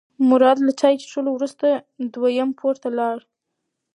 مراد له چای څښلو وروسته دویم پوړ ته لاړ.